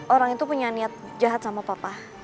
orang itu punya niat jahat sama papa